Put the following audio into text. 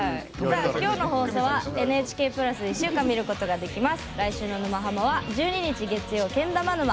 今日の放送はＮＨＫプラスで１週間見ることができます。